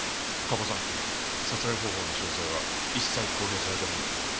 過去３件殺害方法の詳細は一切公表されてないんだぞ。